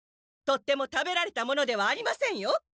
とっても食べられたものではありませんよ。